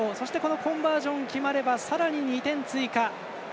コンバージョンが決まればさらに２点追加。